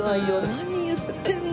何言ってるの」